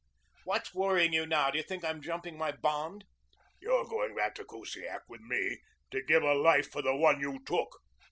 "What's worrying you now? Do you think I'm jumping my bond?" "You're going back to Kusiak with me to give a life for the one you took."